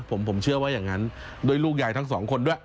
ผมเชื่อว่าอย่างนั้นด้วยลูกยายทั้งสองคนด้วย